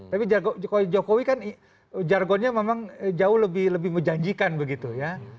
tapi jokowi kan jargonnya memang jauh lebih menjanjikan begitu ya